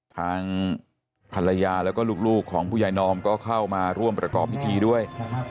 ทางภรรยาแล้วก็ลูกของผู้ใหญ่นอมก็เข้ามาร่วมประกอบพิธีด้วย